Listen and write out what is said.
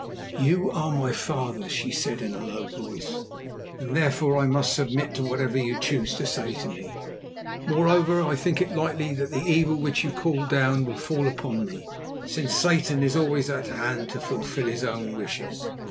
"You are my father," she said in a low voice, "and therefore I must submit to whatever you choose to say to me. Moreover, I think it likely that the evil which you call down will fall upon me, since Satan is always at hand to fulfil his own wishes.